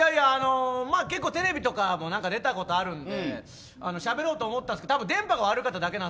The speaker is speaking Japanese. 結構テレビとかも出たことあるのでしゃべろうと思ったんですけど電波が悪かっただけで。